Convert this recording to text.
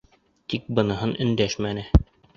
Тик быныһын өндәшмәне.